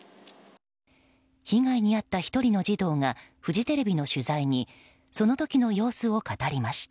被害に遭った１人の児童がフジテレビの取材にその時の様子を語りました。